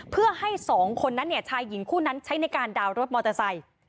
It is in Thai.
เพื่อให้สองคนนั้นชายหญิงคู่นั้นใช้ในการดาวน์รถมอเตอร์ไซค์